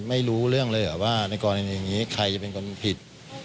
ไม่รู้เรื่องเลยเหรอว่าในกรณีอย่างนี้ใครจะเป็นคนผิด